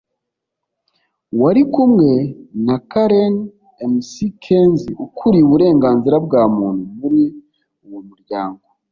wari kumwe na Karen McKenzie ukuriye uburenganzira bwa muntu muri uwo muryango